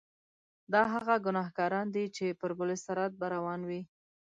دا هغه ګناګاران دي چې پر پل صراط به روان وي.